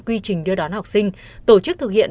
quy trình đưa đón học sinh tổ chức thực hiện